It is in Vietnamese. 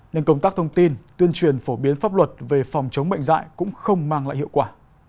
nên công tác thông tin tuyên truyền phổ biến pháp luật về phòng chống bệnh dạy cũng không mang lại hiệu quả